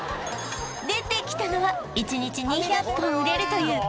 出てきたのは１日２００本売れるというとろ鉄火巻